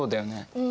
うん。